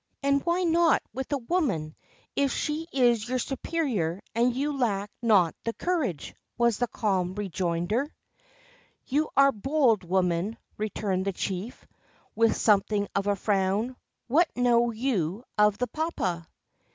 " And why not with a woman, if she is your superior and you lack not the courage?" was the cahn rejoinder. "You are bold, woman," returned the chief, with something of a frown. "What know you of the papa?''